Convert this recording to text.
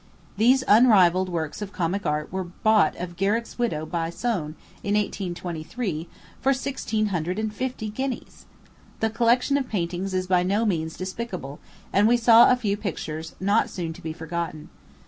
These unrivalled works of comic art were bought of Garrick's widow by Soane, in 1823, for sixteen hundred and fifty guineas! The collection of paintings is by no means despicable, and we saw a few pictures not soon to be forgotten.